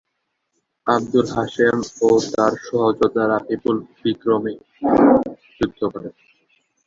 আবুল হাশেম ও তার সহযোদ্ধারা বিপুল বিক্রমে যুদ্ধ করেন।